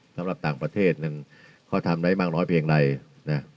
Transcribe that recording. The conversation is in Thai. สำหรับต่างประเทศนั้นเขาทำได้มากน้อยเพียงใดนะ